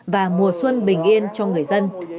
và mùa xuân bình yên cho người dân